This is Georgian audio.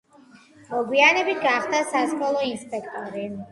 მოგვიანებით გახდა სასკოლო ინსპექტორი.